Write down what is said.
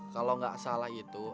kalo gak salah itu